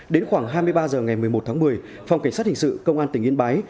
đến khoảng hai mươi ba h ngày một mươi một tháng một mươi phòng cảnh sát hình sự công an tỉnh yên bái